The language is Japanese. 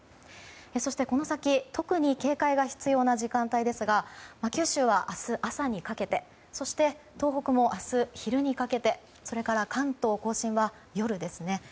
そして、この先特に警戒が必要な時間帯ですが九州は明日朝にかけてそして東北も明日、昼にかけてそれから、関東・甲信は夜ですね。